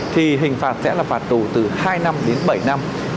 thì hình phạt sẽ là phạt tù từ hai năm đến bảy năm